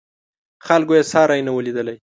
خلکو یې ساری نه و لیدلی.